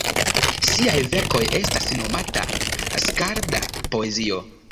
Siaj verkoj estas nomata skalda-poezio.